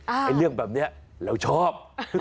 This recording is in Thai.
ไอ้เรื่องแบบนี้เราชอบ